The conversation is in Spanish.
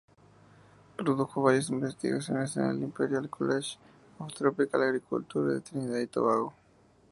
Produjo variadas investigaciones en el "Imperial College of Tropical Agriculture", de Trinidad y Tobago.